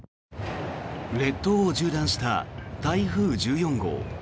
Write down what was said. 列島を縦断した台風１４号。